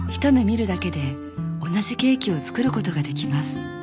見るだけで同じケーキを作ることができます